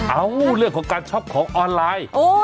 เอาเรื่องของการช็อปของออนไลน์